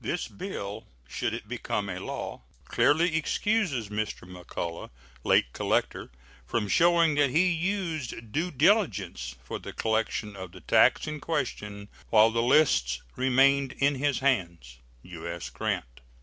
This bill, should it become a law, clearly excuses Mr. McCullah, late collector, from showing that he used due diligence for the collection of the tax in question while the lists remained in his hands. U.S. GRANT.